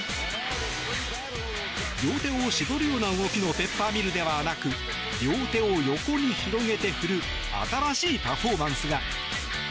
両手を絞るような動きのペッパーミルではなく両手を横に広げて振る新しいパフォーマンスが。